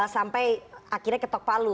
sampai akhirnya ketok palu